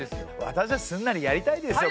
私だってすんなりやりたいですよ。